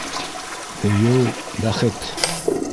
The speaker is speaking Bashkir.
Һөйөү - бәхет.